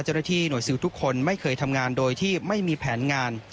เจ้าหน้าที่หน่วยซิลทุกคนไม่เคยทำงานโดยที่ไม่มีแผนงาน